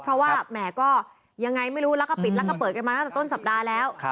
เพราะว่าแหมก็ยังไงไม่รู้แล้วก็ปิดแล้วก็เปิดกันมาตั้งแต่ต้นสัปดาห์แล้ว